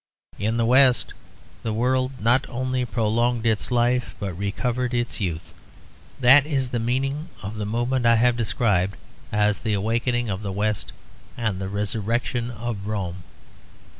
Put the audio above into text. In the West the world not only prolonged its life but recovered its youth. That is the meaning of the movement I have described as the awakening of the West and the resurrection of Rome.